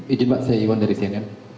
ijin pak saya iwan dari cnn